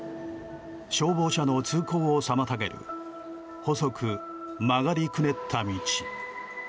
消防車の通行を妨げる細く、曲がりくねった道。